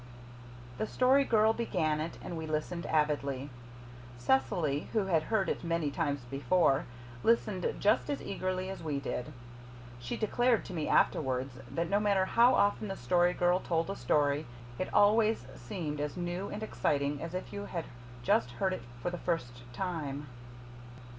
The Story Girl began it and we listened avidly. Cecily, who had heard it many times before, listened just as eagerly as we did. She declared to me afterwards that no matter how often the Story Girl told a story it always seemed as new and exciting as if you had just heard it for the first time.